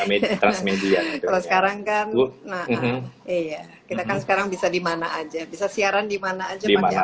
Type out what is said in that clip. kalau sekarang kan kita kan sekarang bisa dimana aja bisa siaran dimana aja manjak pas aja kan